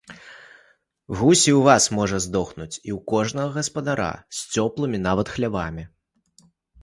Гусь і ў вас можа здохнуць, і ў кожнага гаспадара, з цёплымі нават хлявамі.